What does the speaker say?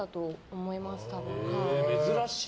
珍しい。